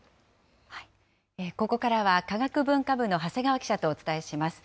ここからは、科学文化部の長谷川記者とお伝えします。